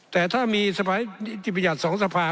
แต่ถ้ามีสภานิติบัญญัติ๒สภา